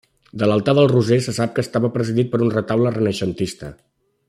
De l'altar del Roser se sap que estava presidit per un retaule renaixentista.